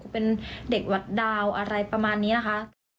เป็นเด็กวัดดาวอะไรประมาณนี้นะคะ